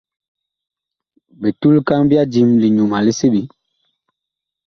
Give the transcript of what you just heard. Bitulkaŋ ɓya dim; liŋyuma li seɓe.